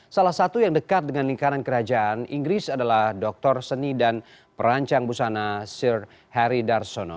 salah satu yang dekat dengan lingkaran kerajaan inggris adalah doktor seni dan perancang busana sir harry darsono